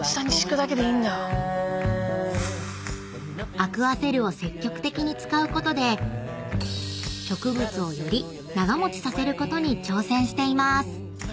［アクアセルを積極的に使うことで植物をより長持ちさせることに挑戦しています］